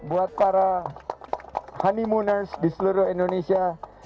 buat para honeymooners di seluruh indonesia